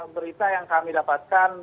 berita yang kami dapatkan